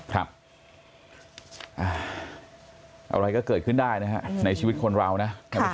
อะไรก็เกิดขึ้นได้นะฮะในชีวิตคนเรานะ